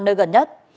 nơi gần nhất